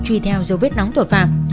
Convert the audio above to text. truy theo dấu vết nóng tội phạm